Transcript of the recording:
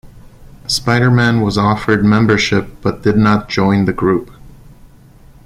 Spider-Man was offered membership but did not join the group.